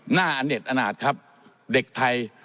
หน้าอเน็ตอนาจครับเด็กไทย